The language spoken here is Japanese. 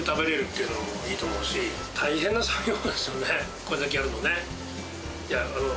これだけやるのね。